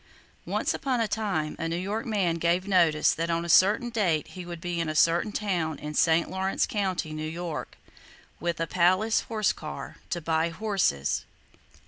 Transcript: Once upon a time, a New York man gave notice that on a certain date he would be in a certain town in St. Lawrence County, New York, with a palace horse car, "to buy horses."